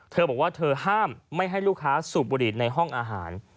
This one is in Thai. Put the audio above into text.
เธอบอกว่าเธอห้ามไม่ให้ลูกค้าสูบบุหรี่ในห้องอาหาร